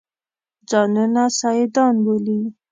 ځانونه سیدان بولي.